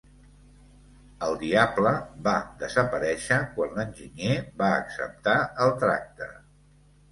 El diable va desaparèixer quan l'enginyer va acceptar el tracte.